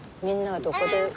みんなはどこで。